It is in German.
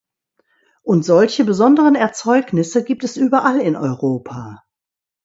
Und solche besonderen Erzeugnisse gibt es überall in Europa.